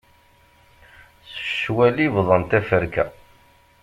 S ccwal i bḍan taferka.